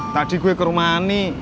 tadi gue ke rumah nih